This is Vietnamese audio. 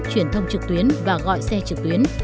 truyền thông trực tuyến và gọi xe trực tuyến